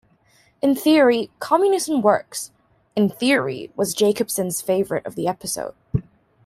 In theory, communism works - "In theory" was Jacobson's favorite of the episode.